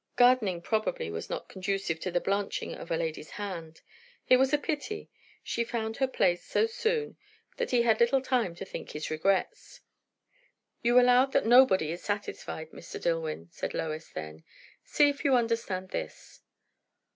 Gardening probably was not conducive to the blanching of a lady's hand. It was a pity. She found her place so soon that he had little time to think his regrets. "You allowed that nobody is satisfied, Mr. Dillwyn," said Lois then. "See if you understand this."